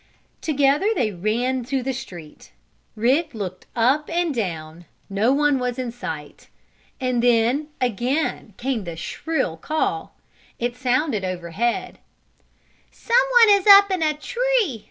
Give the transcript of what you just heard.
Together they ran to the street. Rick looked up and down. No one was in sight. And then, again came the shrill call. It sounded overhead. "Someone is up in a tree!"